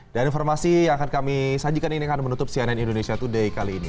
dan informasi yang akan kami sajikan ini akan menutup cnn indonesia today kali ini